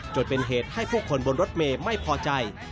จนเป็นเหตุให้ผู้คนบนรถเมย์ไม่พอใจ